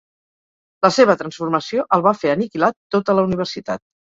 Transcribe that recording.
La seva transformació el va fer aniquilar tota la universitat.